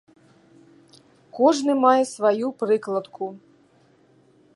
Кожны мае сваю прыкладку.